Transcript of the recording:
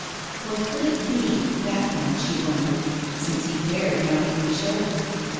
What could it be, that one, she wondered, since he dared not even show it?